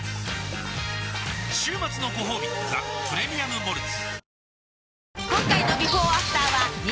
週末のごほうび「ザ・プレミアム・モルツ」